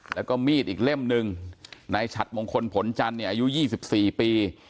แล้วก็มีดอีกเล่มหนึ่งนายฉัดมงคลผลจันทร์เนี่ยอายุ๒๔ปี